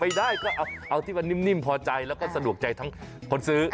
ไม่ได้นะก็คือเอานิ่มเพื่อสะดวกใจทั้งคนซื้อ